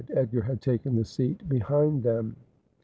Edgar had taken the seat behind them.